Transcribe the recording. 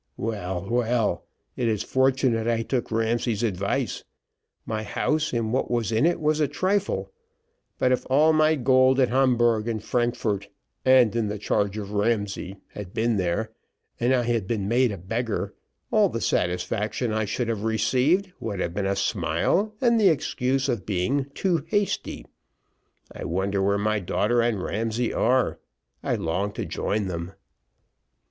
Well well it is fortunate I took Ramsay's advice, my house and what was in it was a trifle; but if all my gold at Hamburgh and Frankfort, and in the charge of Ramsay had been there, and I had been made a beggar, all the satisfaction I should have received would have been a smile, and the excuse of being too hasty. I wonder where my daughter and Ramsay are? I long to join them."